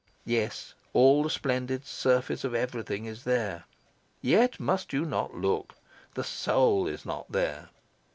Yes, all the splendid surface of everything is there. Yet must you not look. The soul is not there.